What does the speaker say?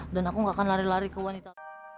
dan aku gak akan lari lari ke wanita